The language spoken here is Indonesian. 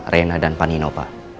rena dan pak nino pak